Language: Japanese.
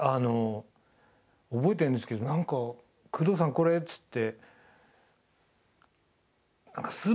覚えてるんですけど何か「宮藤さんこれ」つって「え！」と思って。